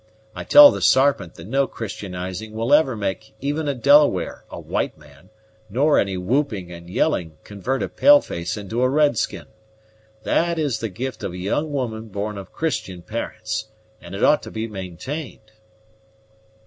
I tell the Sarpent that no Christianizing will ever make even a Delaware a white man; nor any whooping and yelling convert a pale face into a red skin. That is the gift of a young woman born of Christian parents, and it ought to be maintained."